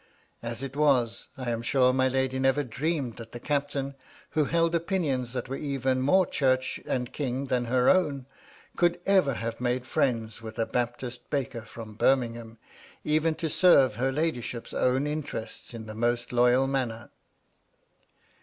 As it was, I am sure my lady never dreamed that the captain, who held opinions that were even more Church and King than her own, could ever have made fiiends with a Baptist baker from Birming ham, even to serve her ladyship's own interests in the most loyal manner.